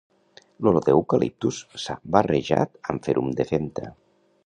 L'olor d'eucaliptus s'ha barrejat amb ferum de femta